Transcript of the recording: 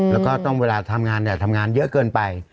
แล้วก็ต้องเวลาทำงานทำงานเยอะเกินไป